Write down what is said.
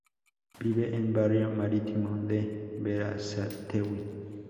Vive en Barrio Marítimo, de Berazategui.